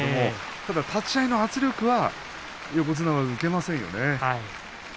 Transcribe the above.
ただ立ち合いの圧力は横綱は抜けませんね。